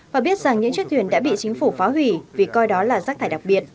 và biết rằng những chiếc thuyền đã bị chính phủ phá hủy vì coi đó là rác thải đặc biệt